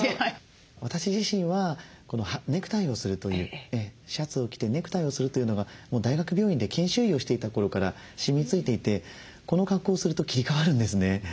私自身はネクタイをするというシャツを着てネクタイをするというのがもう大学病院で研修医をしていた頃からしみついていてこの格好をすると切り替わるんですね。